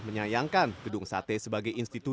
menyayangkan gedung sate sebagai institusi